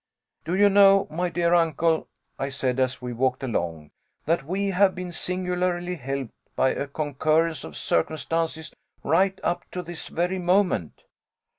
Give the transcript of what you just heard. "Do you know, my dear uncle," I said, as we walked along, "that we have been singularly helped by a concurrence of circumstances, right up to this very moment."